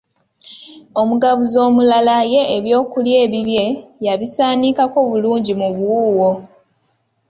Omugabuzi omulala ye eby'okulya ebibye yabisaanikako bulungi mu buwuuwo.